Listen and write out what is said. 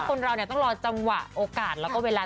คนเราต้องรอจำวะโอกาสแล้วก็เวลา